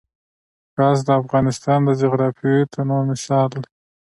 ګاز د افغانستان د جغرافیوي تنوع مثال دی.